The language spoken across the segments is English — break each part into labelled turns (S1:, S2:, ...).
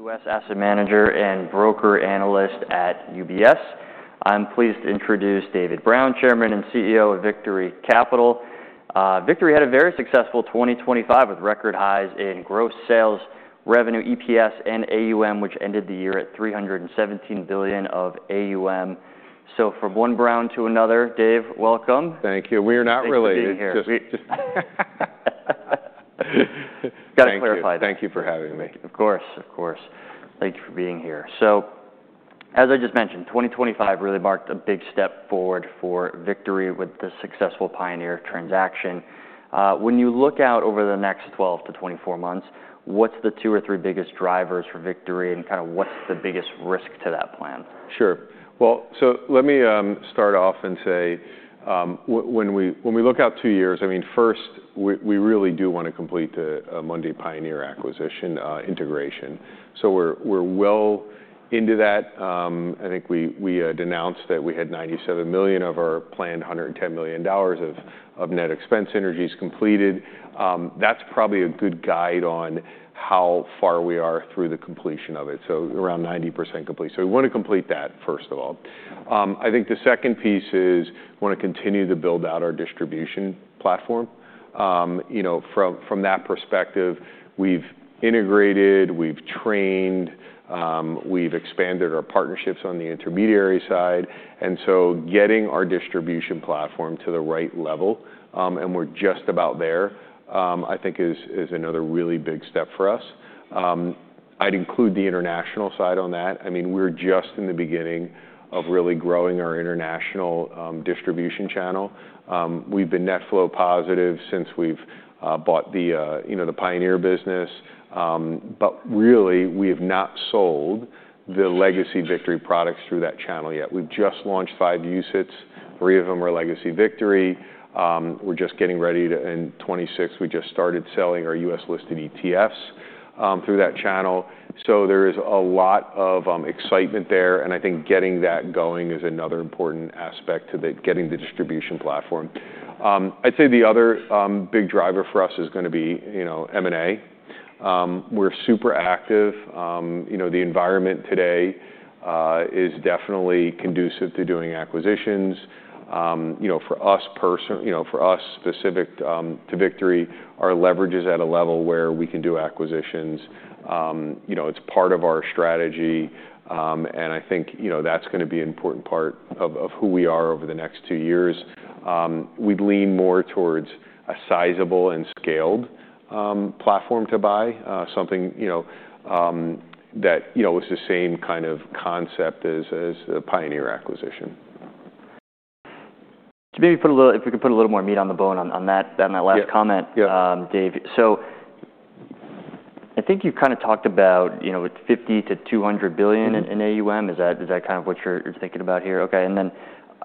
S1: I'm a U.S. asset manager and broker analyst at UBS. I'm pleased to introduce David Brown, Chairman and CEO of Victory Capital. Victory had a very successful 2025, with record highs in gross sales, revenue, EPS, and AUM, which ended the year at $317 billion of AUM. So from one Brown to another, Dave, welcome.
S2: Thank you. We are not related.
S1: Thanks for being here.
S2: Just, just-
S1: Got to clarify that.
S2: Thank you. Thank you for having me.
S1: Of course, of course. Thank you for being here. So as I just mentioned, 2025 really marked a big step forward for Victory with the successful Pioneer transaction. When you look out over the next 12-24 months, what's the two or three biggest drivers for Victory, and kind of what's the biggest risk to that plan?
S2: Sure. Well, so let me start off and say, when we, when we look out two years, I mean, first, we really do want to complete the Amundi Pioneer acquisition integration. So we're well into that. I think we announced that we had $97 million of our planned $110 million of net expense synergies completed. That's probably a good guide on how far we are through the completion of it, so around 90% complete. So we want to complete that, first of all. I think the second piece is, we want to continue to build out our distribution platform. You know, from that perspective, we've integrated, we've trained, we've expanded our partnerships on the intermediary side. So getting our distribution platform to the right level, and we're just about there, I think is another really big step for us. I'd include the international side on that. I mean, we're just in the beginning of really growing our international distribution channel. We've been net flow positive since we've bought the you know the Pioneer business. But really, we have not sold the legacy Victory products through that channel yet. We've just launched five UCITS, three of them are legacy Victory. We're just getting ready to in 2026 we just started selling our U.S.-listed ETFs through that channel. So there is a lot of excitement there, and I think getting that going is another important aspect to the getting the distribution platform. I'd say the other big driver for us is gonna be, you know, M&A. We're super active. You know, the environment today is definitely conducive to doing acquisitions. You know, for us personally, you know, for us specifically to Victory, our leverage is at a level where we can do acquisitions. You know, it's part of our strategy, and I think, you know, that's gonna be an important part of who we are over the next two years. We'd lean more towards a sizable and scaled platform to buy, something, you know, that, you know, is the same kind of concept as the Pioneer acquisition.
S1: To maybe put a little more meat on the bone on that last comment-
S2: Yeah.
S1: Dave. So I think you kind of talked about, you know, with $50 billion-$200 billion in AUM.
S2: Mm-hmm.
S1: Is that kind of what you're thinking about here? Okay, and then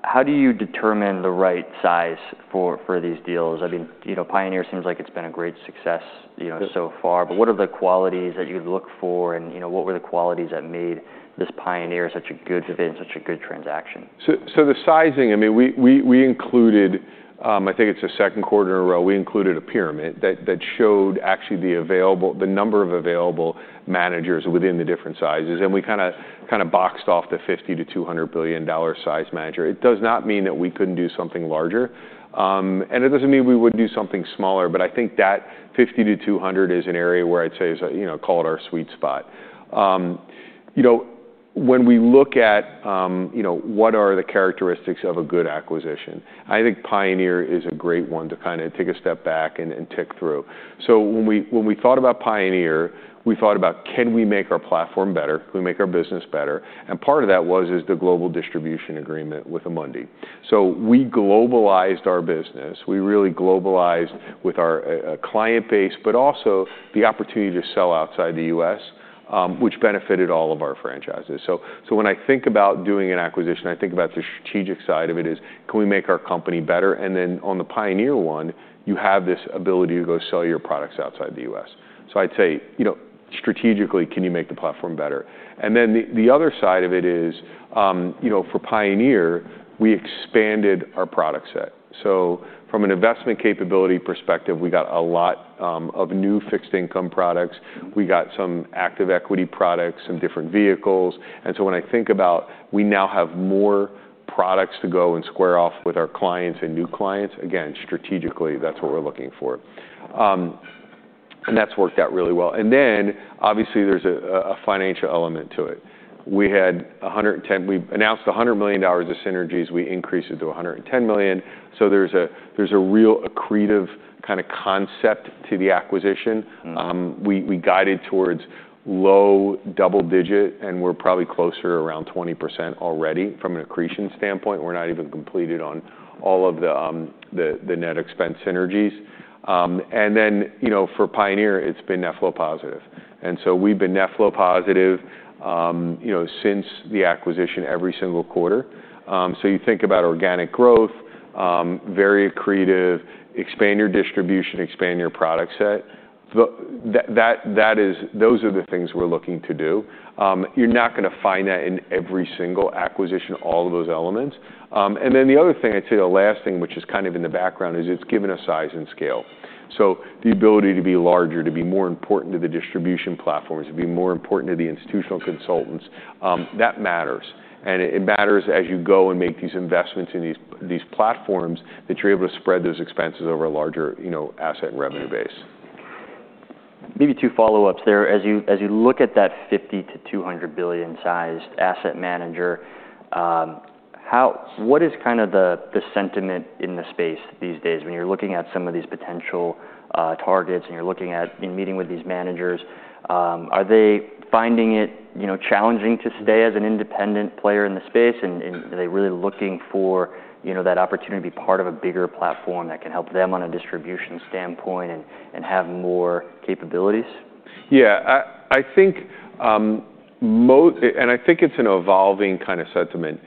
S1: how do you determine the right size for these deals? I mean, you know, Pioneer seems like it's been a great success, you know-
S2: It is...
S1: so far, but what are the qualities that you'd look for and, you know, what were the qualities that made this Pioneer such a good fit and such a good transaction?
S2: So the sizing, I mean, we included, I think it's the second quarter in a row, we included a pyramid that showed actually the number of available managers within the different sizes, and we kind of boxed off the $50 billion-$200 billion size manager. It does not mean that we couldn't do something larger, and it doesn't mean we wouldn't do something smaller, but I think that 50 to 200 is an area where I'd say is, you know, call it our sweet spot. You know, when we look at, you know, what are the characteristics of a good acquisition, I think Pioneer is a great one to kind of take a step back and tick through. So when we, when we thought about Pioneer, we thought about: Can we make our platform better? Can we make our business better? And part of that was, is the global distribution agreement with Amundi. So we globalized our business. We really globalized with our client base, but also the opportunity to sell outside the US, which benefited all of our franchises. So when I think about doing an acquisition, I think about the strategic side of it is: Can we make our company better? And then on the Pioneer one, you have this ability to go sell your products outside the US. So I'd say, you know, strategically, can you make the platform better? And then the other side of it is, you know, for Pioneer, we expanded our product set. From an investment capability perspective, we got a lot of new fixed income products.
S1: Mm-hmm.
S2: We got some active equity products and different vehicles. And so when I think about we now have more products to go and square off with our clients and new clients, again, strategically, that's what we're looking for. And that's worked out really well. And then, obviously, there's a financial element to it. We had a hundred and ten. We announced $100 million of synergies. We increased it to $110 million. So there's a real accretive kind of concept to the acquisition.
S1: Mm-hmm.
S2: We guided towards low double-digit, and we're probably closer to around 20% already from an accretion standpoint. We're not even completed on all of the net expense synergies. And then, you know, for Pioneer, it's been net flow positive, and so we've been net flow positive, you know, since the acquisition, every single quarter. So you think about organic growth, very accretive, expand your distribution, expand your product set. That is, those are the things we're looking to do. You're not gonna find that in every single acquisition, all of those elements. And then the other thing, I'd say the last thing, which is kind of in the background, is it's given us size and scale. So the ability to be larger, to be more important to the distribution platforms, to be more important to the institutional consultants, that matters. And it, it matters as you go and make these investments in these, these platforms, that you're able to spread those expenses over a larger, you know, asset and revenue base.
S1: Maybe two follow-ups there. As you look at that $50 billion-$200 billion-sized asset manager, what is kind of the sentiment in the space these days when you're looking at some of these potential targets, and you're looking at and meeting with these managers? Are they finding it, you know, challenging to stay as an independent player in the space, and are they really looking for, you know, that opportunity to be part of a bigger platform that can help them on a distribution standpoint and have more capabilities?
S2: Yeah. I think it's an evolving kind of sentiment.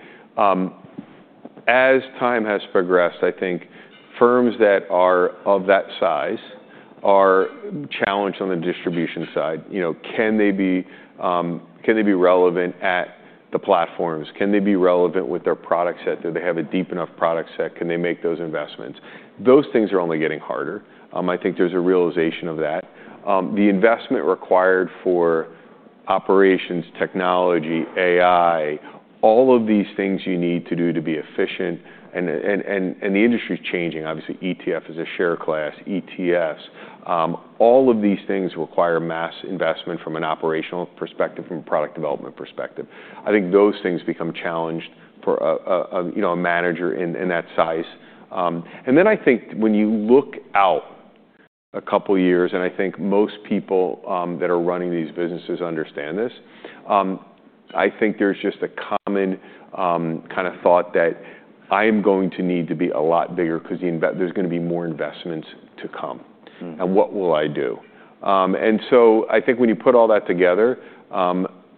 S2: As time has progressed, I think firms that are of that size are challenged on the distribution side. You know, can they be relevant at the platforms? Can they be relevant with their product set? Do they have a deep enough product set? Can they make those investments? Those things are only getting harder. I think there's a realization of that. The investment required for operations, technology, AI, all of these things you need to do to be efficient, and the industry's changing. Obviously, ETF is a share class, ETFs. All of these things require mass investment from an operational perspective, from a product development perspective. I think those things become challenged for a you know a manager in that size. And then I think when you look out a couple of years, and I think most people that are running these businesses understand this, I think there's just a common kind of thought that, "I am going to need to be a lot bigger because there's going to be more investments to come.
S1: Mm.
S2: And what will I do?" And so I think when you put all that together,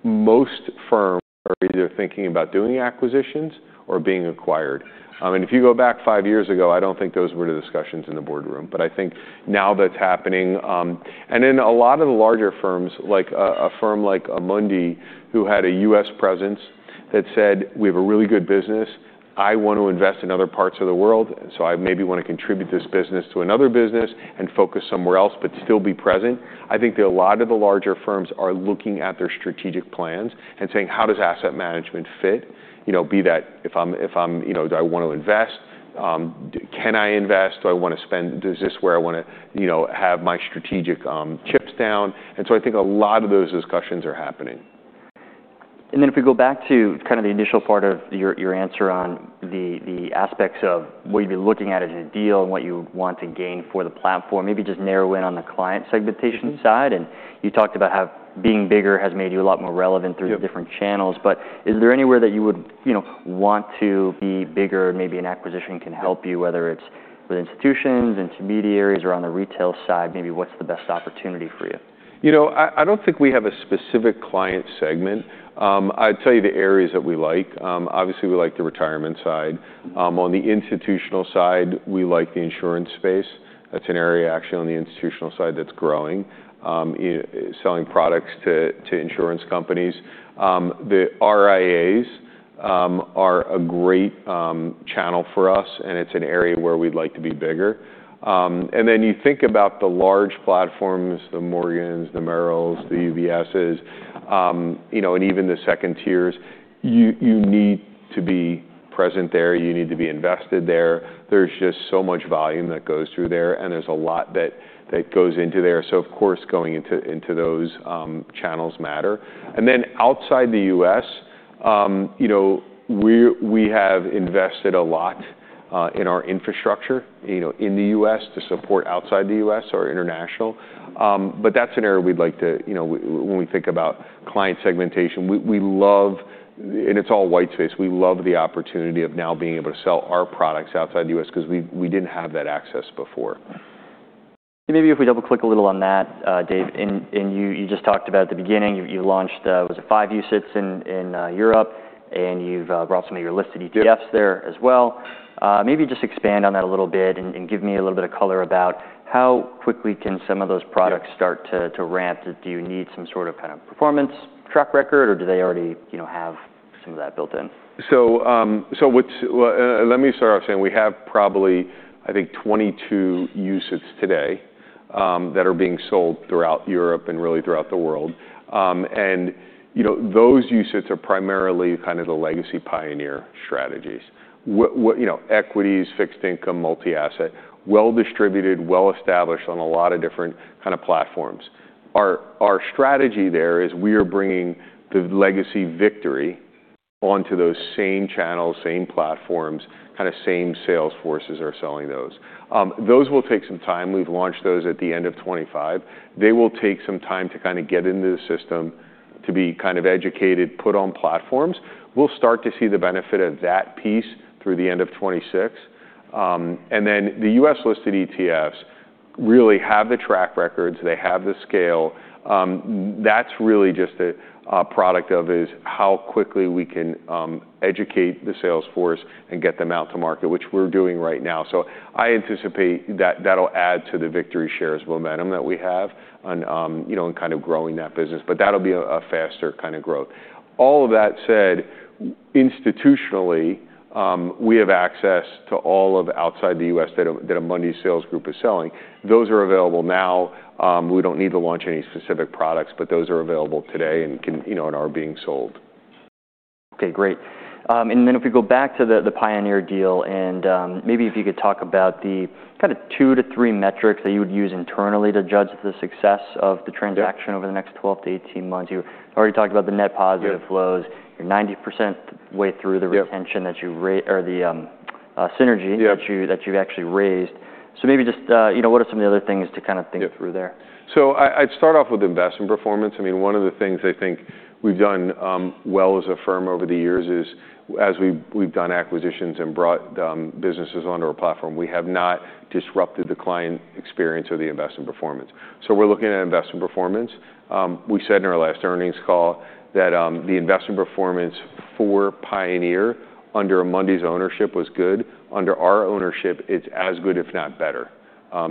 S2: most firms are either thinking about doing acquisitions or being acquired. And if you go back five years ago, I don't think those were the discussions in the boardroom, but I think now that's happening. And in a lot of the larger firms, like a firm like Amundi, who had a U.S. presence, that said, "We have a really good business. I want to invest in other parts of the world, so I maybe want to contribute this business to another business and focus somewhere else, but still be present," I think that a lot of the larger firms are looking at their strategic plans and saying: How does asset management fit? You know, be that if I'm. You know, do I want to invest? Can I invest? Do I want to spend? Is this where I want to, you know, have my strategic chips down? So I think a lot of those discussions are happening.
S1: And then if we go back to kind of the initial part of your answer on the aspects of what you'd be looking at as a deal and what you want to gain for the platform, maybe just narrow in on the client segmentation side.
S2: Mm-hmm.
S1: You talked about how being bigger has made you a lot more relevant-
S2: Yep
S1: Through the different channels. But is there anywhere that you would, you know, want to be bigger, and maybe an acquisition can help you, whether it's with institutions, intermediaries, or on the retail side? Maybe what's the best opportunity for you?
S2: You know, I, I don't think we have a specific client segment. I'd tell you the areas that we like. Obviously, we like the retirement side. On the institutional side, we like the insurance space. That's an area actually on the institutional side that's growing, selling products to, to insurance companies. The RIAs are a great channel for us, and it's an area where we'd like to be bigger. And then you think about the large platforms, the Morgans, the Merrills, the UBSes, you know, and even the second tiers, you, you need to be present there, you need to be invested there. There's just so much volume that goes through there, and there's a lot that, that goes into there. So of course, going into, into those channels matter. And then outside the U.S., you know, we, we have invested a lot in our infrastructure, you know, in the U.S. to support outside the U.S. or international. But that's an area we'd like to... You know, when we think about client segmentation, we, we love... And it's all white space. We love the opportunity of now being able to sell our products outside the U.S. because we, we didn't have that access before.
S1: And maybe if we double-click a little on that, Dave, and you just talked about at the beginning, you launched, was it five UCITS in Europe, and you've brought some of your listed ETFs-
S2: Yep
S1: -there as well. Maybe just expand on that a little bit and, and give me a little bit of color about how quickly can some of those products-
S2: Yep
S1: Do you need some sort of kind of performance track record, or do they already, you know, have some of that built in?
S2: Let me start off saying we have probably, I think, 22 UCITS today that are being sold throughout Europe and really throughout the world. And, you know, those UCITS are primarily kind of the legacy Pioneer strategies. You know, equities, fixed income, multi-asset, well-distributed, well-established on a lot of different kind of platforms. Our strategy there is we are bringing the legacy Victory onto those same channels, same platforms, kind of same sales forces are selling those. Those will take some time. We've launched those at the end of 2025. They will take some time to kind of get into the system, to be kind of educated, put on platforms. We'll start to see the benefit of that piece through the end of 2026. And then the U.S.-listed ETFs really have the track records, they have the scale. That's really just a product of how quickly we can educate the sales force and get them out to market, which we're doing right now. So I anticipate that that'll add to the VictoryShares momentum that we have on, you know, in kind of growing that business, but that'll be a faster kind of growth. All of that said, institutionally, we have access to all of outside the US that Amundi sales group is selling. Those are available now. We don't need to launch any specific products, but those are available today and can—you know, and are being sold....
S1: Okay, great. And then if we go back to the Pioneer deal, and maybe if you could talk about the kind of two to three metrics that you would use internally to judge the success of the transaction-
S2: Yeah
S1: Over the next 12-18 months. You already talked about the net positive flows.
S2: Yeah.
S1: You're 90% way through the-
S2: Yeah
S1: retention that you raised or the synergy-
S2: Yeah
S1: -that you, that you've actually raised. So maybe just, you know, what are some of the other things to kind of think through there?
S2: Yeah. So I, I'd start off with investment performance. I mean, one of the things I think we've done well as a firm over the years is, as we've done acquisitions and brought businesses onto our platform, we have not disrupted the client experience or the investment performance. So we're looking at investment performance. We said in our last earnings call that the investment performance for Pioneer under Amundi's ownership was good. Under our ownership, it's as good, if not better,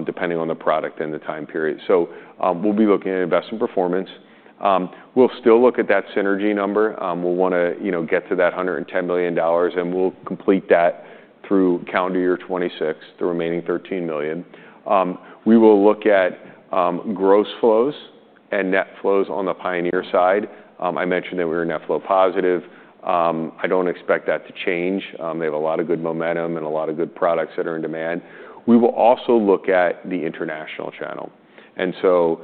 S2: depending on the product and the time period. So, we'll be looking at investment performance. We'll still look at that synergy number. We'll want to, you know, get to that $110 million, and we'll complete that through calendar year 2026, the remaining $13 million. We will look at gross flows and net flows on the Pioneer side. I mentioned that we were net flow positive. I don't expect that to change. They have a lot of good momentum and a lot of good products that are in demand. We will also look at the international channel, and so,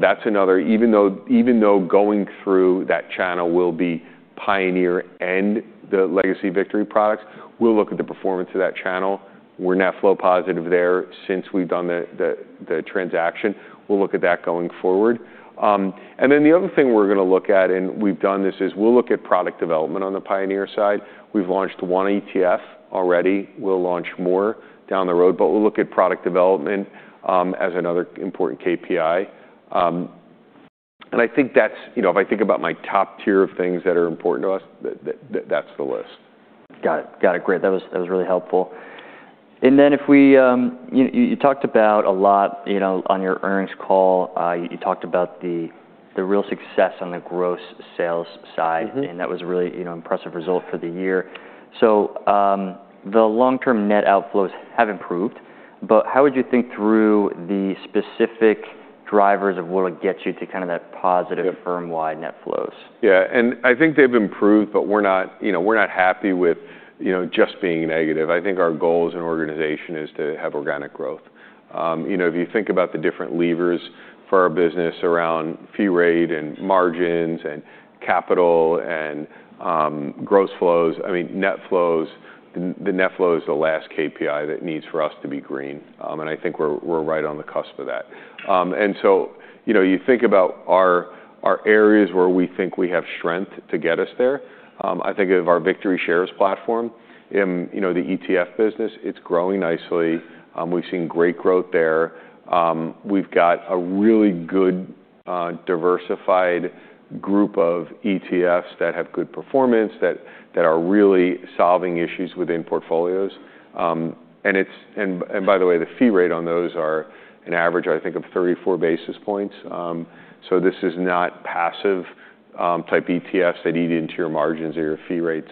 S2: that's another. Even though going through that channel will be Pioneer and the legacy Victory products, we'll look at the performance of that channel. We're net flow positive there since we've done the transaction. We'll look at that going forward. And then the other thing we're gonna look at, and we've done this, is we'll look at product development on the Pioneer side. We've launched one ETF already. We'll launch more down the road, but we'll look at product development as another important KPI. And I think that's... You know, if I think about my top tier of things that are important to us, that's the list.
S1: Got it. Got it. Great, that was really helpful. And then if we... You talked about a lot, you know, on your earnings call. You talked about the real success on the gross sales side-
S2: Mm-hmm
S1: And that was a really, you know, impressive result for the year. So, the long-term net outflows have improved, but how would you think through the specific drivers of what would get you to kind of that positive
S2: Yeah
S1: -firm-wide net flows?
S2: Yeah, and I think they've improved, but we're not, you know, we're not happy with, you know, just being negative. I think our goal as an organization is to have organic growth. You know, if you think about the different levers for our business around fee rate and margins and capital and gross flows, I mean, net flows, the net flow is the last KPI that needs for us to be green, and I think we're right on the cusp of that. And so, you know, you think about our areas where we think we have strength to get us there. I think of our VictoryShares platform. You know, the ETF business, it's growing nicely. We've seen great growth there. We've got a really good diversified group of ETFs that have good performance, that are really solving issues within portfolios. And, by the way, the fee rate on those are an average, I think, of 34 basis points. So this is not passive type ETFs that eat into your margins or your fee rates.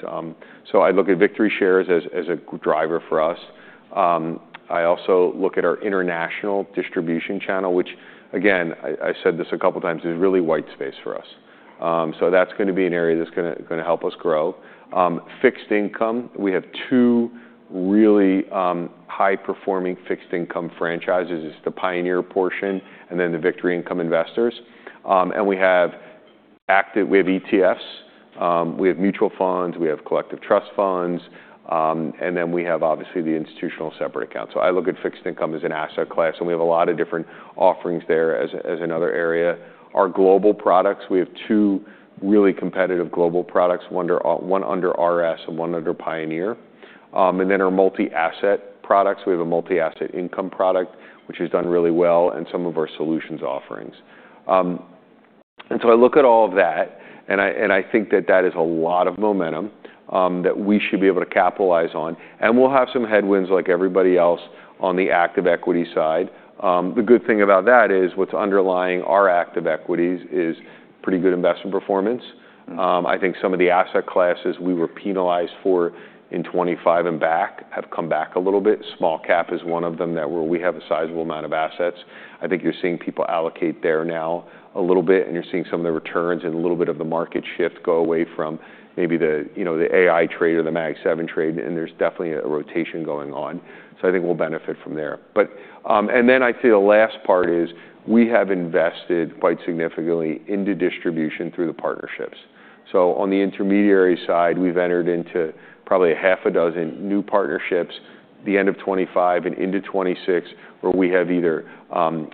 S2: So I look at VictoryShares as a driver for us. I also look at our international distribution channel, which again, I said this a couple times, is really white space for us. So that's going to be an area that's gonna help us grow. Fixed income, we have two really high-performing fixed income franchises. It's the Pioneer portion and then the Victory Income Investors. And we have active ETFs, we have mutual funds, we have collective trust funds, and then we have, obviously, the institutional separate accounts. So I look at fixed income as an asset class, and we have a lot of different offerings there as another area. Our global products, we have two really competitive global products, one under RS and one under Pioneer. And then our multi-asset products. We have a multi-asset income product, which has done really well, and some of our solutions offerings. And so I look at all of that, and I think that that is a lot of momentum that we should be able to capitalize on, and we'll have some headwinds like everybody else on the active equity side. The good thing about that is, what's underlying our active equities is pretty good investment performance.
S1: Mm-hmm.
S2: I think some of the asset classes we were penalized for in 25 and back have come back a little bit. Small cap is one of them, that's where we have a sizable amount of assets. I think you're seeing people allocate there now a little bit, and you're seeing some of the returns and a little bit of the market shift go away from maybe the, you know, the AI trade or the Mag 7 trade, and there's definitely a rotation going on. So I think we'll benefit from there. But, and then I'd say the last part is, we have invested quite significantly into distribution through the partnerships. So on the intermediary side, we've entered into probably six new partnerships, the end of 2025 and into 2026, where we have either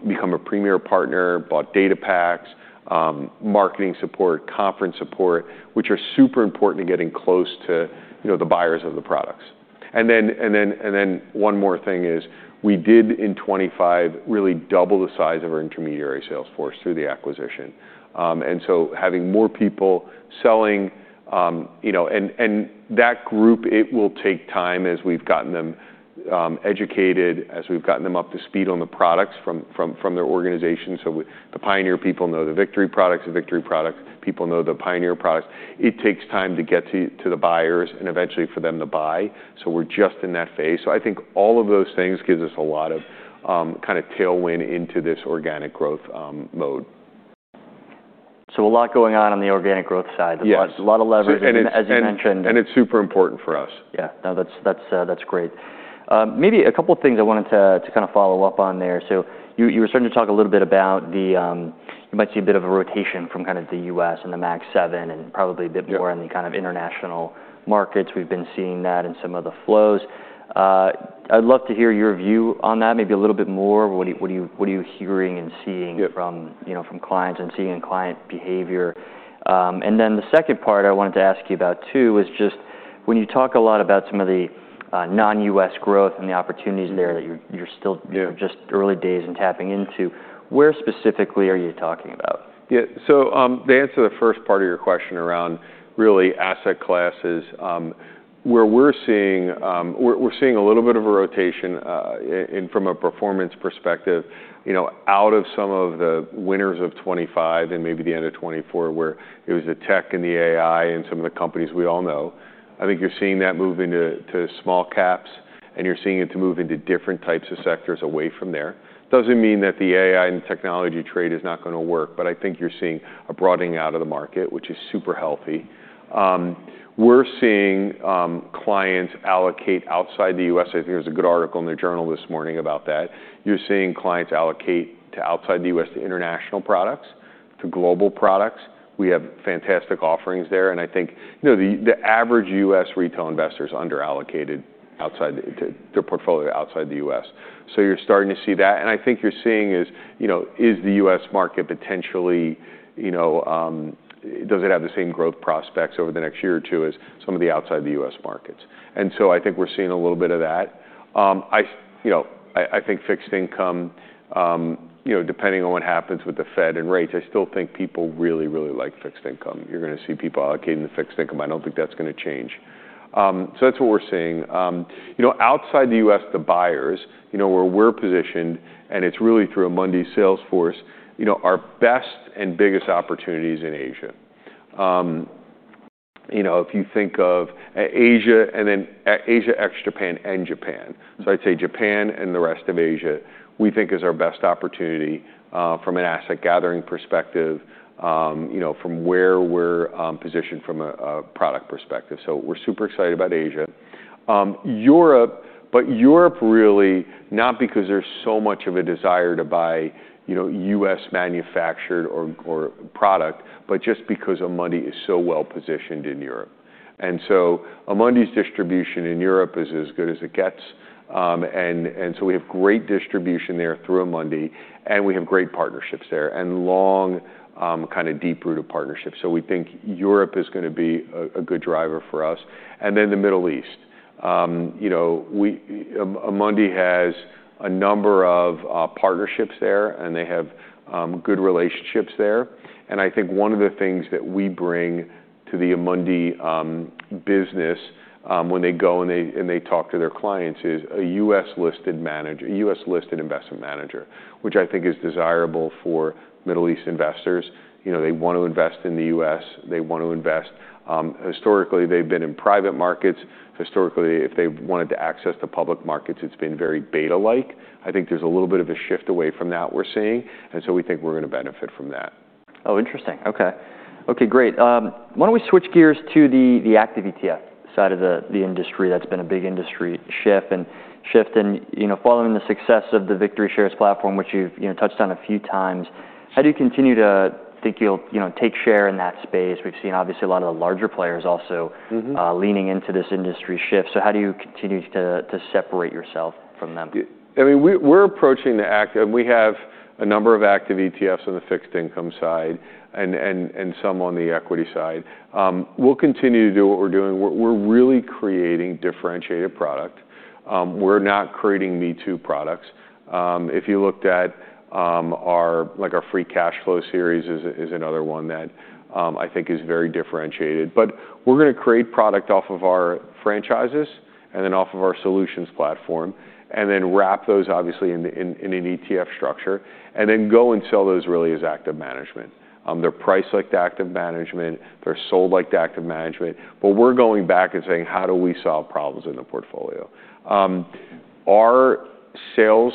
S2: become a premier partner, bought data packs, marketing support, conference support, which are super important to getting close to, you know, the buyers of the products. And then one more thing is, we did, in 2025, really double the size of our intermediary sales force through the acquisition. And so having more people selling, you know. And that group, it will take time as we've gotten them educated, as we've gotten them up to speed on the products from their organization. So the Pioneer people know the Victory products, the Victory product people know the Pioneer products. It takes time to get to the buyers and eventually for them to buy, so we're just in that phase. So I think all of those things gives us a lot of kind of tailwind into this organic growth mode....
S1: So a lot going on the organic growth side.
S2: Yes.
S1: A lot, a lot of leverage, and as you mentioned-
S2: And it's super important for us.
S1: Yeah. No, that's great. Maybe a couple of things I wanted to kind of follow up on there. So you were starting to talk a little bit about the you might see a bit of a rotation from kind of the US and the Mag Seven, and probably a bit more-
S2: Yeah
S1: on the kind of international markets. We've been seeing that in some of the flows. I'd love to hear your view on that, maybe a little bit more. What are you hearing and seeing-
S2: Yeah
S1: - from, you know, from clients, and seeing in client behavior? And then the second part I wanted to ask you about, too, is just when you talk a lot about some of the, non-US growth and the opportunities there-
S2: Mm-hmm
S1: that you're still, you know, just early days in tapping into. Where specifically are you talking about?
S2: Yeah. So, the answer to the first part of your question around really asset classes, where we're seeing a little bit of a rotation in from a performance perspective, you know, out of some of the winners of 2025 and maybe the end of 2024, where it was the tech and the AI and some of the companies we all know. I think you're seeing that move into to small caps, and you're seeing it move into different types of sectors away from there. Doesn't mean that the AI and technology trade is not gonna work, but I think you're seeing a broadening out of the market, which is super healthy. We're seeing clients allocate outside the U.S. I think there was a good article in the Journal this morning about that. You're seeing clients allocate to outside the U.S., to international products, to global products. We have fantastic offerings there, and I think, you know, the average U.S. retail investor is under-allocated outside the—their portfolio outside the U.S. So you're starting to see that, and I think you're seeing is, you know, is the U.S. market potentially, you know, does it have the same growth prospects over the next year or two as some of the outside the U.S. markets? And so I think we're seeing a little bit of that. You know, I think fixed income, you know, depending on what happens with the Fed and rates, I still think people really, really like fixed income. You're gonna see people allocating to fixed income. I don't think that's gonna change. So that's what we're seeing. You know, outside the U.S., the buyers, you know, where we're positioned, and it's really through Amundi's sales force, you know, our best and biggest opportunity is in Asia. You know, if you think of Asia, and then Asia ex-Japan and Japan.
S1: Mm-hmm.
S2: So I'd say Japan and the rest of Asia, we think is our best opportunity from an asset gathering perspective, you know, from where we're positioned from a product perspective, so we're super excited about Asia. Europe, but Europe really not because there's so much of a desire to buy, you know, U.S. manufactured or product, but just because Amundi is so well-positioned in Europe. And so Amundi's distribution in Europe is as good as it gets. And so we have great distribution there through Amundi, and we have great partnerships there, and long kind of deep-rooted partnerships. So we think Europe is gonna be a good driver for us. And then the Middle East. You know, Amundi has a number of partnerships there, and they have good relationships there. I think one of the things that we bring to the Amundi business, when they go and talk to their clients, is a U.S.-listed manager, a U.S.-listed investment manager, which I think is desirable for Middle East investors. You know, they want to invest in the U.S. They want to invest. Historically, they've been in private markets. Historically, if they've wanted to access the public markets, it's been very beta-like. I think there's a little bit of a shift away from that we're seeing, and so we think we're gonna benefit from that.
S1: Oh, interesting. Okay. Okay, great. Why don't we switch gears to the active ETF side of the industry? That's been a big industry shift, and you know, following the success of the VictoryShares platform, which you've you know, touched on a few times, how do you continue to think you'll you know, take share in that space? We've seen, obviously, a lot of the larger players also-
S2: Mm-hmm...
S1: leaning into this industry shift. So how do you continue to separate yourself from them?
S2: Yeah. I mean, we're approaching. We have a number of active ETFs on the fixed income side and some on the equity side. We'll continue to do what we're doing. We're really creating differentiated product. We're not creating me-too products. If you looked at our, like, our Free Cash Flow series is another one that I think is very differentiated. But we're gonna create product off of our franchises and then off of our solutions platform, and then wrap those, obviously, in an ETF structure, and then go and sell those really as active management. They're priced like the active management, they're sold like the active management, but we're going back and saying: How do we solve problems in the portfolio? Our sales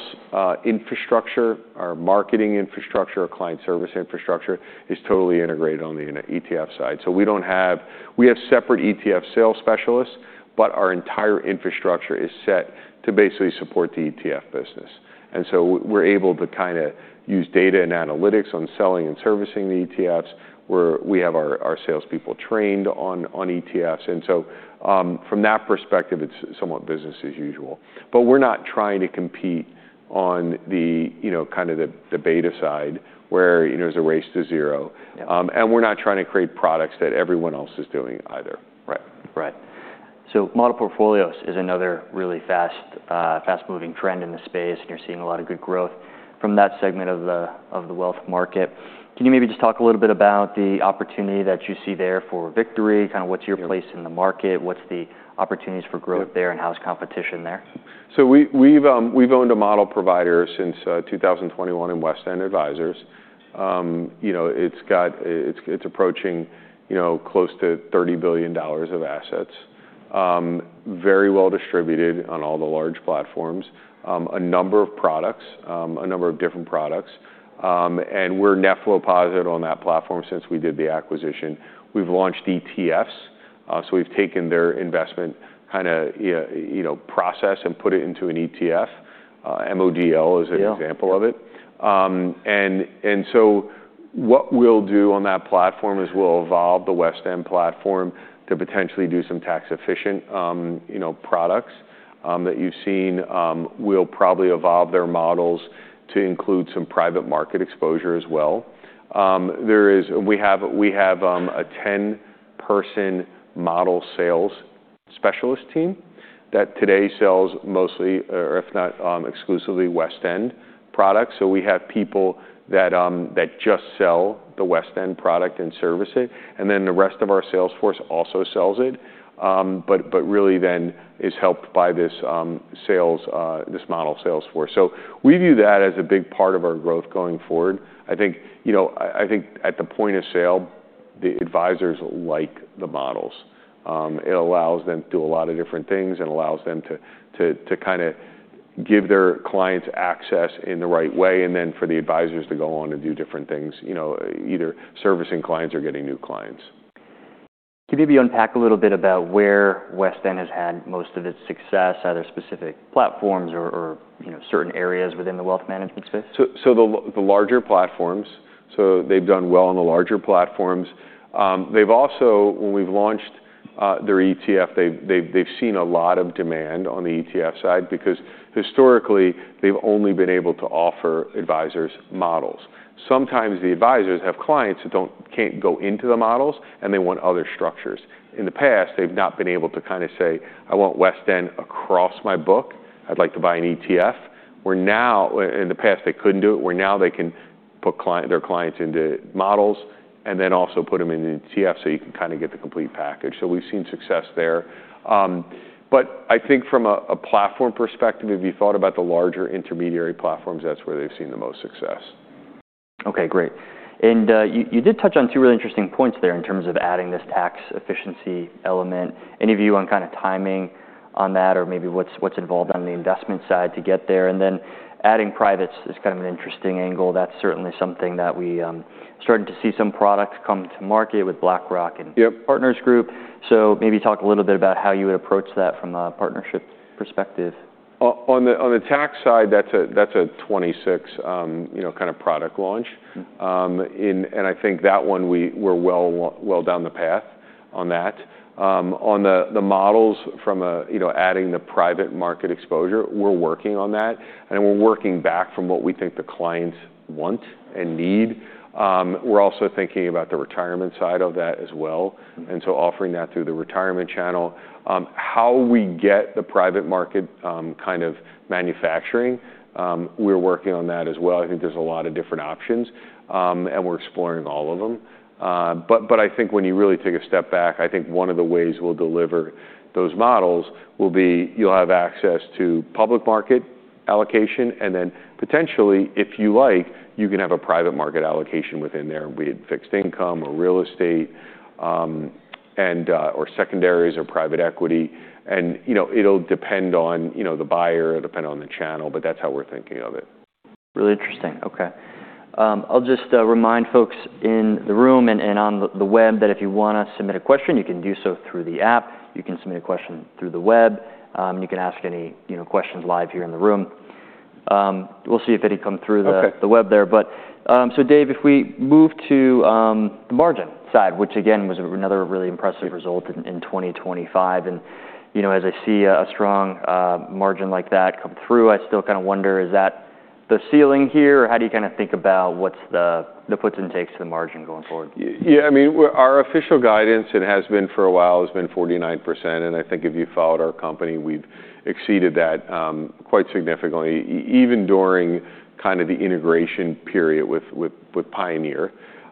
S2: infrastructure, our marketing infrastructure, our client service infrastructure is totally integrated on the ETF side. So we don't have. We have separate ETF sales specialists, but our entire infrastructure is set to basically support the ETF business, and so we're able to kind of use data and analytics on selling and servicing the ETFs, where we have our salespeople trained on ETFs. And so, from that perspective, it's somewhat business as usual. But we're not trying to compete on the, you know, kind of the beta side, where, you know, there's a race to zero.
S1: Yeah.
S2: We're not trying to create products that everyone else is doing either.
S1: Right. Right. So model portfolios is another really fast, fast-moving trend in the space, and you're seeing a lot of good growth from that segment of the wealth market. Can you maybe just talk a little bit about the opportunity that you see there for Victory? Kind of what's your place in the market, what's the opportunities for growth there, and how is competition there?
S2: So we've owned a model provider since 2021 in WestEnd Advisors. You know, it's got... It's approaching, you know, close to $30 billion of assets.... very well distributed on all the large platforms. A number of products, a number of different products. And we're net flow positive on that platform since we did the acquisition. We've launched ETFs, so we've taken their investment kinda, yeah, you know, process and put it into an ETF. MODL is-
S1: Yeah
S2: An example of it. And so what we'll do on that platform is we'll evolve the WestEnd platform to potentially do some tax-efficient, you know, products that you've seen. We'll probably evolve their models to include some private market exposure as well. We have a 10-person model sales specialist team that today sells mostly, or if not exclusively, WestEnd products. So we have people that just sell the WestEnd product and service it, and then the rest of our sales force also sells it. But really then is helped by this model sales force. So we view that as a big part of our growth going forward. I think, you know, I think at the point of sale, the advisors like the models. It allows them to do a lot of different things, and allows them to kinda give their clients access in the right way, and then for the advisors to go on and do different things, you know, either servicing clients or getting new clients.
S1: Can you maybe unpack a little bit about where WestEnd has had most of its success? Are there specific platforms or, you know, certain areas within the wealth management space?
S2: The larger platforms, they've done well on the larger platforms. They've also, when we've launched their ETF, they've seen a lot of demand on the ETF side, because historically, they've only been able to offer advisors models. Sometimes the advisors have clients who can't go into the models, and they want other structures. In the past, they've not been able to kinda say, "I want WestEnd across my book. I'd like to buy an ETF." Where now, in the past they couldn't do it, now they can put their clients into models, and then also put them into ETF, so you can kinda get the complete package. So we've seen success there. But I think from a platform perspective, if you thought about the larger intermediary platforms, that's where they've seen the most success.
S1: Okay, great. And you did touch on two really interesting points there in terms of adding this tax efficiency element. Any view on kinda timing on that, or maybe what's involved on the investment side to get there? And then adding privates is kind of an interesting angle. That's certainly something that we starting to see some products come to market with BlackRock and-
S2: Yep...
S1: Partners Group. So maybe talk a little bit about how you would approach that from a partnership perspective.
S2: On the tax side, that's a 2026, you know, kinda product launch.
S1: Mm-hmm.
S2: I think that one we're well down the path on that. On the models from, you know, adding the private market exposure, we're working on that, and we're working back from what we think the clients want and need. We're also thinking about the retirement side of that as well-
S1: Mm-hmm...
S2: and so offering that through the retirement channel. How we get the private market kind of manufacturing, we're working on that as well. I think there's a lot of different options, and we're exploring all of them. But I think when you really take a step back, I think one of the ways we'll deliver those models will be, you'll have access to public market allocation, and then potentially, if you like, you can have a private market allocation within there, be it fixed income or real estate, and or secondaries or private equity. And you know, it'll depend on you know, the buyer, it'll depend on the channel, but that's how we're thinking of it.
S1: Really interesting. Okay. I'll just remind folks in the room and on the web that if you wanna submit a question, you can do so through the app. You can submit a question through the web. You can ask any, you know, questions live here in the room. We'll see if any come through the-
S2: Okay...
S1: the web there. But, so Dave, if we move to the margin side, which again, was another really impressive result in 2025. And, you know, as I see a strong margin like that come through, I still kinda wonder, is that the ceiling here? Or how do you kinda think about what's the puts and takes to the margin going forward?
S2: Yeah, I mean, our official guidance, it has been for a while, has been 49%, and I think if you've followed our company, we've exceeded that quite significantly, even during kind of the integration period with Pioneer.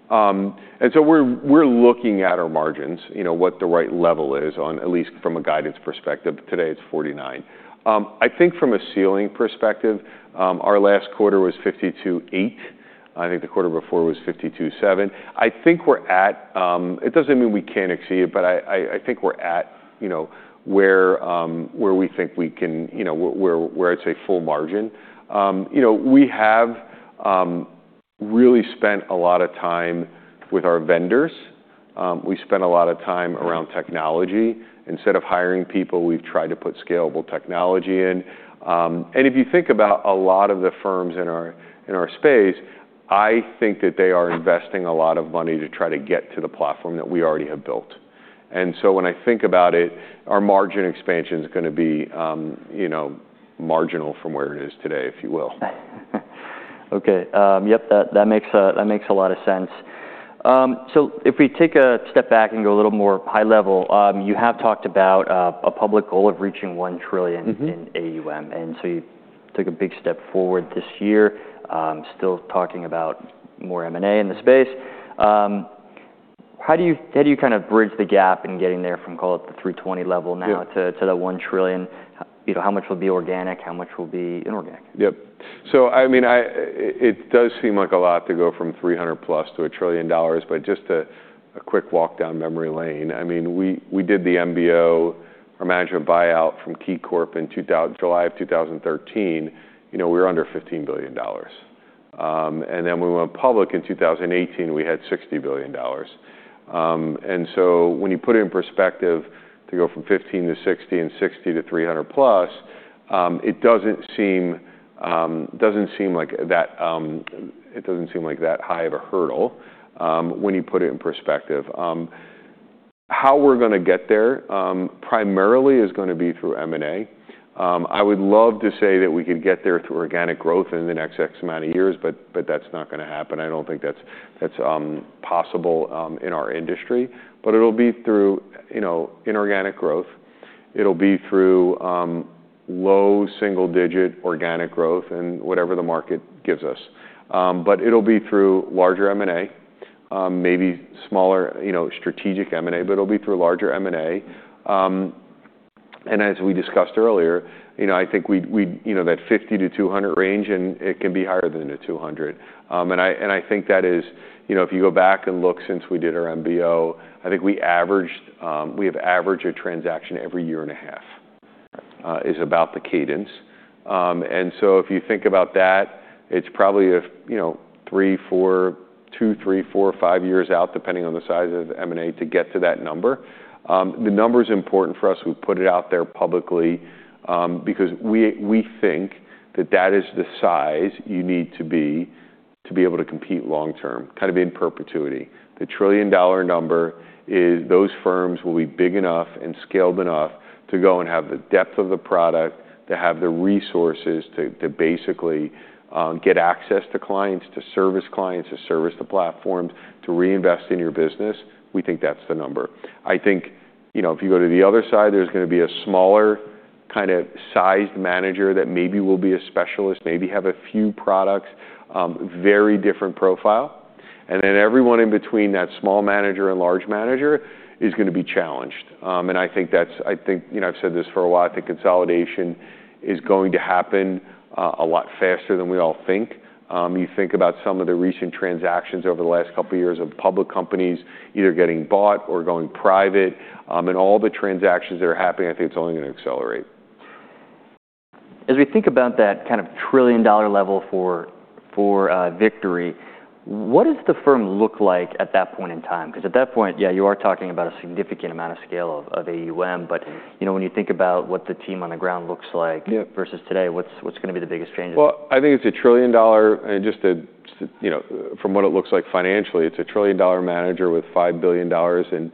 S2: And so we're looking at our margins, you know, what the right level is, at least from a guidance perspective. Today, it's 49%. I think from a ceiling perspective, our last quarter was 52.8. I think the quarter before was 52.7. I think we're at... It doesn't mean we can't exceed it, but I think we're at, you know, where we think we can, you know, where I'd say full margin. You know, we have really spent a lot of time with our vendors. We spent a lot of time around technology. Instead of hiring people, we've tried to put scalable technology in. If you think about a lot of the firms in our space, I think that they are investing a lot of money to try to get to the platform that we already have built. When I think about it, our margin expansion is gonna be, you know, marginal from where it is today, if you will.
S1: Okay. Yep, that makes a lot of sense. So if we take a step back and go a little more high level, you have talked about a public goal of reaching one trillion-
S2: Mm-hmm...
S1: in AUM, and so you took a big step forward this year. Still talking about more M&A in the space. How do you, how do you kind of bridge the gap in getting there from, call it the 320 level now-
S2: Yeah...
S1: to the one trillion? You know, how much will be organic? How much will be inorganic?
S2: Yep. So, I mean, it does seem like a lot to go from $300+ billion to $1 trillion, but just a quick walk down memory lane. I mean, we did the MBO, our management buyout from KeyCorp in July of 2013, you know, we were under $15 billion. And then when we went public in 2018, we had $60 billion. And so when you put it in perspective, to go from 15 to 60 and 60 to 300+, it doesn't seem like that... It doesn't seem like that high of a hurdle, when you put it in perspective. How we're gonna get there, primarily is gonna be through M&A. I would love to say that we could get there through organic growth in the next X amount of years, but that's not gonna happen. I don't think that's possible in our industry. But it'll be through, you know, inorganic growth. It'll be through low single-digit organic growth and whatever the market gives us. But it'll be through larger M&A, maybe smaller, you know, strategic M&A, but it'll be through larger M&A. And as we discussed earlier, you know, I think you know that 50-200 range, and it can be higher than the 200. And I think that is, you know, if you go back and look since we did our MBO, we have averaged a transaction every year and a half. That is about the cadence. And so if you think about that, it's probably, you know, 3, 4, 2, 3, 4, or 5 years out, depending on the size of the M&A, to get to that number. The number's important for us. We've put it out there publicly, because we think that that is the size you need to be to be able to compete long term, kind of in perpetuity. The trillion-dollar number is, those firms will be big enough and scaled enough to go and have the depth of the product, to have the resources to basically get access to clients, to service clients, to service the platforms, to reinvest in your business. We think that's the number. I think, you know, if you go to the other side, there's gonna be a smaller kind of sized manager that maybe will be a specialist, maybe have a few products, very different profile. And then everyone in between that small manager and large manager is gonna be challenged. And I think that's. I think, you know, I've said this for a while, I think consolidation is going to happen, a lot faster than we all think. You think about some of the recent transactions over the last couple of years of public companies either getting bought or going private, and all the transactions that are happening, I think it's only going to accelerate.
S1: As we think about that kind of trillion-dollar level for Victory, what does the firm look like at that point in time? 'Cause at that point, yeah, you are talking about a significant amount of scale of AUM, but, you know, when you think about what the team on the ground looks like-
S2: Yeah...
S1: versus today, what's gonna be the biggest change?
S2: Well, I think it's a trillion-dollar... And just to, you know, from what it looks like financially, it's a trillion-dollar manager with $5 billion in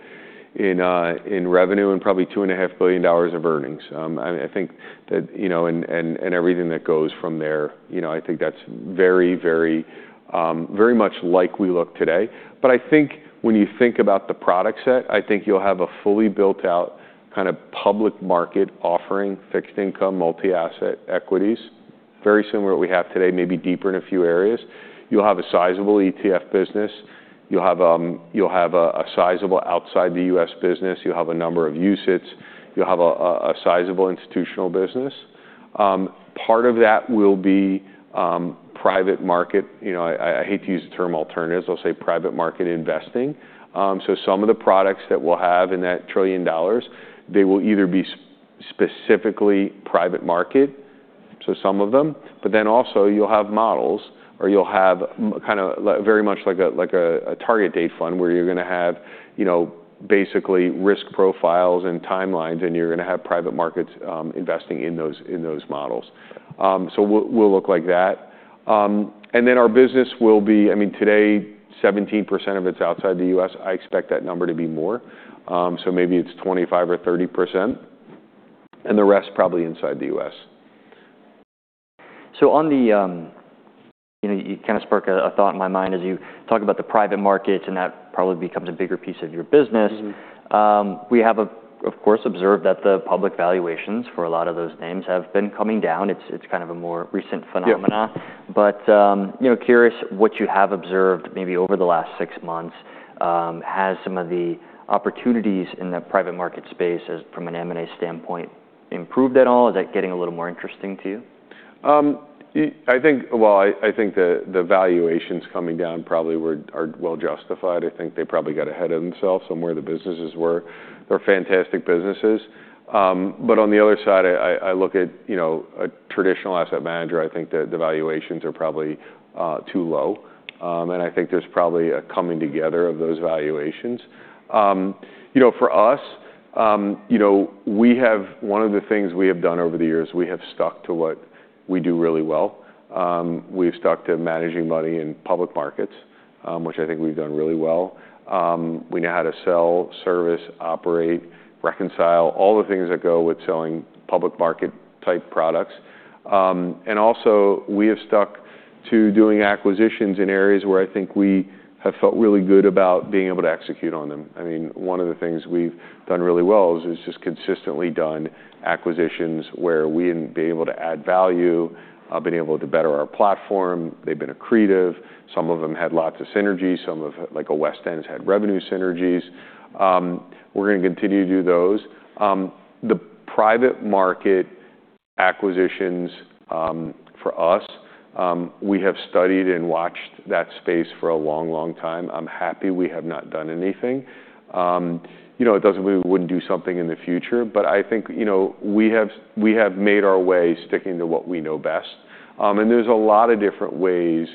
S2: revenue and probably $2.5 billion of earnings. I think that, you know, and everything that goes from there, you know, I think that's very, very, very much like we look today. But I think when you think about the product set, I think you'll have a fully built-out kind of public market offering, fixed income, multi-asset equities, very similar to what we have today, maybe deeper in a few areas. You'll have a sizable ETF business. You'll have a sizable outside the U.S. business. You'll have a number of UCITS. You'll have a sizable institutional business. Part of that will be private market. You know, I hate to use the term alternatives. I'll say private market investing. So some of the products that we'll have in that $1 trillion, they will either be specifically private market, so some of them, but then also you'll have models, or you'll have kind of like very much like a, like a target date fund, where you're gonna have, you know, basically risk profiles and timelines, and you're gonna have private markets, investing in those, in those models. So we'll look like that. And then our business will be... I mean, today, 17% of it's outside the U.S. I expect that number to be more, so maybe it's 25 or 30%, and the rest probably inside the U.S.
S1: You know, you kinda sparked a thought in my mind as you talk about the private markets, and that probably becomes a bigger piece of your business.
S2: Mm-hmm.
S1: We have, of course, observed that the public valuations for a lot of those names have been coming down. It's kind of a more recent phenomenon.
S2: Yeah.
S1: You know, curious what you have observed maybe over the last six months, has some of the opportunities in the private market space as from an M&A standpoint, improved at all? Is that getting a little more interesting to you?
S2: Well, I think the valuations coming down probably were, are well justified. I think they probably got ahead of themselves on where the businesses were. They're fantastic businesses. But on the other side, I look at, you know, a traditional asset manager. I think that the valuations are probably too low. And I think there's probably a coming together of those valuations. You know, for us, you know, one of the things we have done over the years, we have stuck to what we do really well. We've stuck to managing money in public markets, which I think we've done really well. We know how to sell, service, operate, reconcile, all the things that go with selling public market-type products. And also, we have stuck to doing acquisitions in areas where I think we have felt really good about being able to execute on them. I mean, one of the things we've done really well is just consistently done acquisitions where we've been able to add value, been able to better our platform, they've been accretive, some of them had lots of synergies, some of like a WestEnd, had revenue synergies. We're gonna continue to do those. The private markets acquisitions, for us, we have studied and watched that space for a long, long time. I'm happy we have not done anything. You know, it doesn't mean we wouldn't do something in the future, but I think, you know, we have, we have made our way sticking to what we know best. And there's a lot of different ways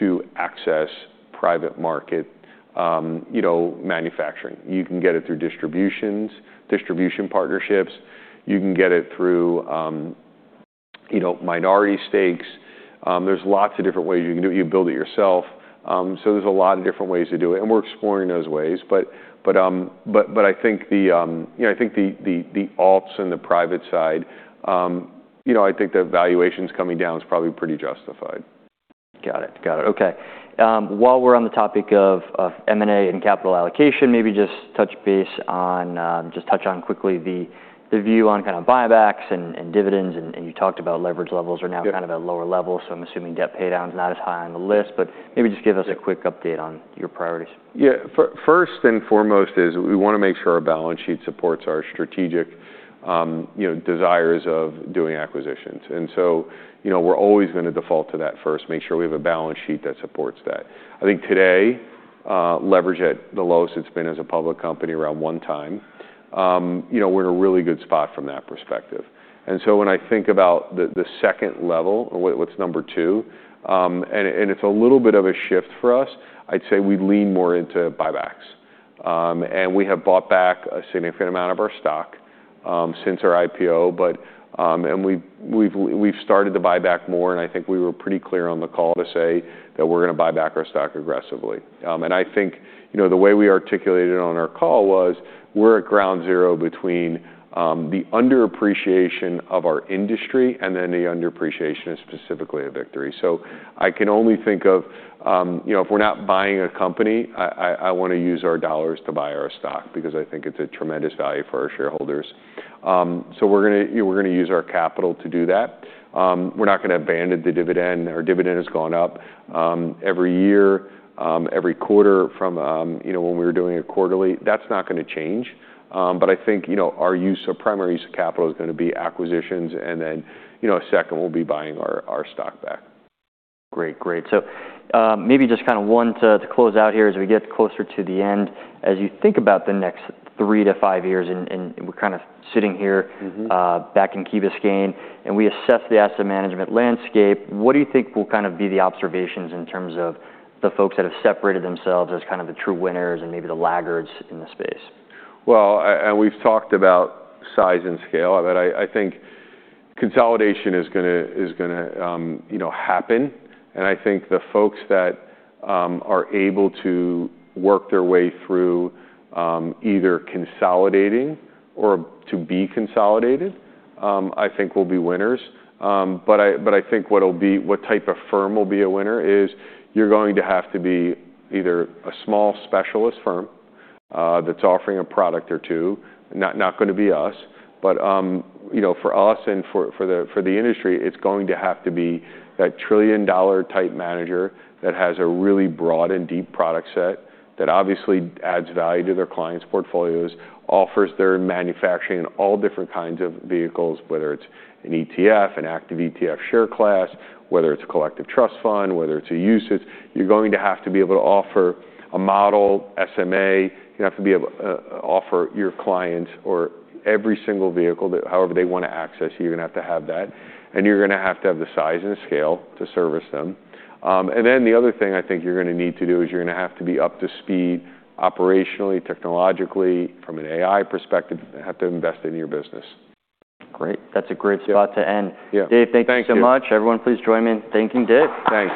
S2: to access private market, you know, manufacturing. You can get it through distributions, distribution partnerships, you can get it through, you know, minority stakes. There's lots of different ways you can do it. You build it yourself. So there's a lot of different ways to do it, and we're exploring those ways. But I think the, you know, I think the alts and the private side, you know, I think the valuations coming down is probably pretty justified.
S1: Got it. Got it, okay. While we're on the topic of, of M&A and capital allocation, maybe just touch base on, just touch on quickly the, the view on kind of buybacks and, and dividends, and, and you talked about leverage levels are now-
S2: Yeah...
S1: kind of at lower levels, so I'm assuming debt paydown is not as high on the list, but maybe just give us a quick update on your priorities.
S2: Yeah. First and foremost is we wanna make sure our balance sheet supports our strategic, you know, desires of doing acquisitions. And so, you know, we're always gonna default to that first, make sure we have a balance sheet that supports that. I think today, leverage at the lowest it's been as a public company, around 1x. We're in a really good spot from that perspective. And so when I think about the, the second level, what's number two? And it's a little bit of a shift for us. I'd say we lean more into buybacks. And we have bought back a significant amount of our stock since our IPO, but... We've started to buy back more, and I think we were pretty clear on the call to say that we're gonna buy back our stock aggressively. And I think, you know, the way we articulated it on our call was, we're at ground zero between the underappreciation of our industry and then the underappreciation specifically of Victory. So I can only think of, you know, if we're not buying a company, I wanna use our dollars to buy our stock because I think it's a tremendous value for our shareholders. So we're gonna, you know, we're gonna use our capital to do that. We're not gonna abandon the dividend. Our dividend has gone up every year, every quarter from, you know, when we were doing it quarterly. That's not gonna change. But I think, you know, our primary use of capital is gonna be acquisitions, and then, you know, second, we'll be buying our stock back.
S1: Great. Great. So, maybe just kind of one to close out here as we get closer to the end. As you think about the next 3-5 years, and we're kind of sitting here-
S2: Mm-hmm...
S1: back in Key Biscayne, and we assess the asset management landscape, what do you think will kind of be the observations in terms of the folks that have separated themselves as kind of the true winners and maybe the laggards in the space?
S2: Well, and we've talked about size and scale, but I think consolidation is gonna you know happen, and I think the folks that are able to work their way through either consolidating or to be consolidated, I think will be winners. But I think what'll be what type of firm will be a winner is, you're going to have to be either a small specialist firm that's offering a product or two, not gonna be us, but you know, for us and for the industry, it's going to have to be that trillion-dollar type manager that has a really broad and deep product set, that obviously adds value to their clients' portfolios, offers their manufacturing in all different kinds of vehicles, whether it's an ETF, an Active ETF share class, whether it's a collective trust fund, whether it's a UCITS. You're going to have to be able to offer a model, SMA, you have to be able, offer your clients or every single vehicle that however they wanna access you, you're gonna have to have that, and you're gonna have to have the size and scale to service them. And then the other thing I think you're gonna need to do is you're gonna have to be up to speed operationally, technologically, from an AI perspective, have to invest in your business.
S1: Great. That's a great spot to end.
S2: Yeah. Thank you.
S1: Dave, thank you so much. Everyone, please join me in thanking Dave.
S2: Thanks.